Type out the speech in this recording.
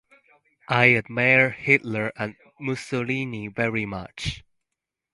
I admire Hitler and Mussolini very much.